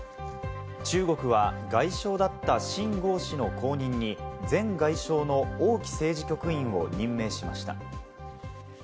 中国は外相だったシン・ゴウ氏の後任に前外相のオウ・キ政治局員を任命しました。